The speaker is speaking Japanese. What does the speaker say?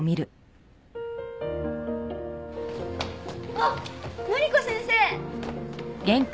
あっマリコ先生！